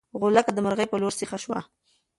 غولکه د مرغۍ په لور سیخه شوه.